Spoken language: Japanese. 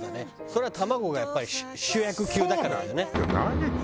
それは卵がやっぱり主役級だからだよね。